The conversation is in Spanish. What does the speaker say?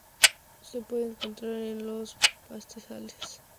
Se puede encontrar en los pastizales, la artemisa, estepa arbustiva y praderas.